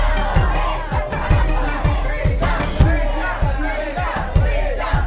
kalau dia diwang schamangnya herman